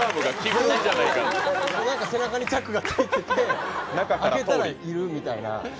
背中にチャックがついてて、開けたらいるみたいな。